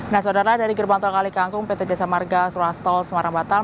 nah saudara dari gerbang tol kalikangkung pt jasa marga ruas tol semarang batang